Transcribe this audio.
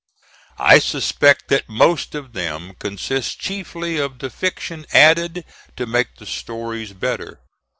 I suspect that most of them consist chiefly of the fiction added to make the stories better.